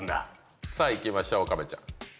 さあいきましょう岡部ちゃん。